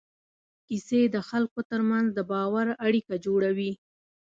کیسې د خلکو تر منځ د باور اړیکه جوړوي.